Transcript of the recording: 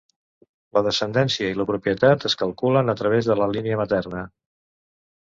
La descendència i la propietat es calculen a través de la línia materna.